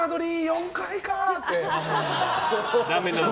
４階かって。